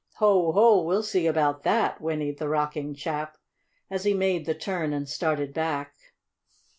"Ho! Ho! We'll see about that!" whinnied the rocking chap, as he made the turn and started back.